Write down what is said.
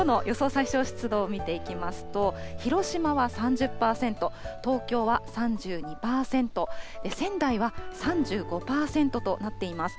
最小湿度を見ていきますと、広島は３０％、東京は３２％、仙台は３５％となっています。